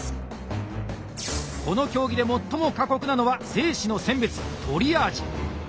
この競技で最も過酷なのは生死の選別トリアージ。